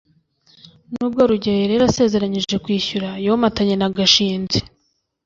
nubwo rugeyo yari yarasezeranije kwishyura, yomatanye na gashinzi